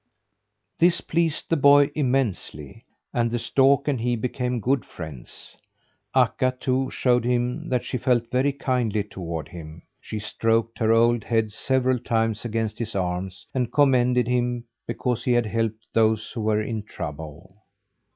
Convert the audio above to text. This pleased the boy immensely, and the stork and he became good friends. Akka, too, showed him that she felt very kindly toward him; she stroked her old head several times against his arms, and commended him because he had helped those who were in trouble.